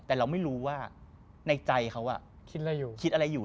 แต่เราไม่รู้ว่าในใจเขาคิดอะไรอยู่